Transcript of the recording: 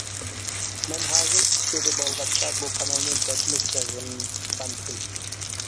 مەن ھازىر ئىچكىرىدە بولغاچقا بۇ قانالنى بەكمۇ سېغىنغانتىم.